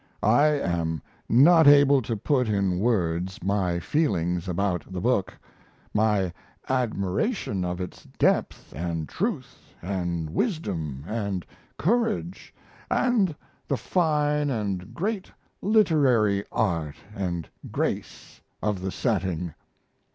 I am not able to put in words my feeling about the book my admiration of its depth and truth and wisdom and courage, and the fine and great literary art and grace of the setting.